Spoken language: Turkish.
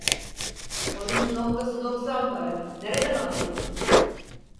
Odunun okkası doksan para, nereden alayım?